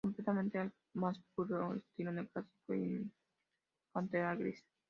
Completamente al más puro estilo neoclásico y en cantera gris.